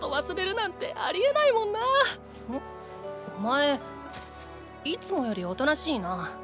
ん？お前いつもより大人しいな。